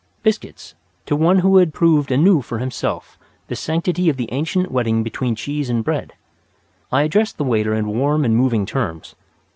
Biscuits to one who had proved anew for himself the sanctity of the ancient wedding between cheese and bread! I addressed the waiter in warm and moving terms.